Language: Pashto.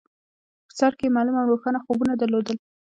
په سر کې يې معلوم او روښانه خوبونه درلودل.